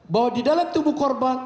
bahwa di dalam tubuh korban